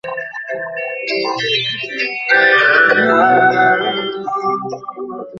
তাছাড়া পুত্রের স্থান হিন্দুসমাজে অনেক ওপরে।